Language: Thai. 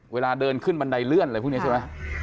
เวลาเดินขึ้นบันไดเลื่อนอะไรพวกนี้ใช่ไหม